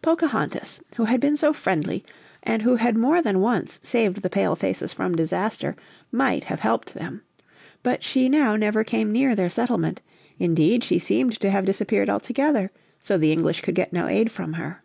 Pocahontas, who had been so friendly and who had more than once saved the Pale faces from disaster, might have helped them. But she now never came near their settlement; indeed she seemed to have disappeared altogether. So the English could get no aid from her.